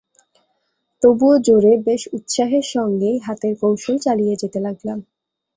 তবুও জোরে বেশ উৎসাহের সঙ্গেই হাতের কৌশল চালিয়ে যেতে লাগলাম।